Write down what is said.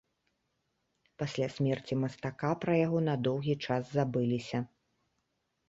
Пасля смерці мастака пра яго на доўгі час забыліся.